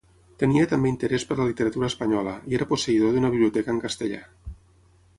Tenia també interès per la literatura espanyola, i era posseïdor d'una biblioteca en castellà.